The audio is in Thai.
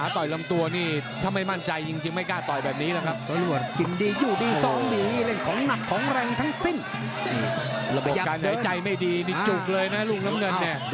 ทำมาจังหวะลุงนี้สวยงามครับลูกถีบ